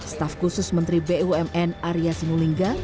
staff khusus menteri bumn arya sinulingga